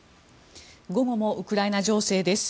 午後もウクライナ情勢です。